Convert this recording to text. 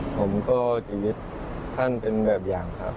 ผมก็ชีวิตท่านเป็นแบบอย่างครับ